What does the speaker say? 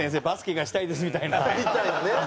バスケがしたいです」みたいな。